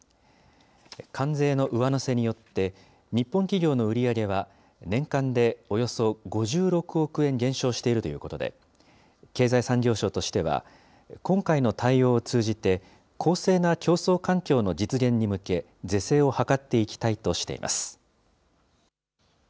関税の上乗せによって、日本企業の売り上げは年間でおよそ５６億円減少しているということで、経済産業省としては、今回の対応を通じて、公正な競争環境の実現に向け、是正を図っていきたいとしています。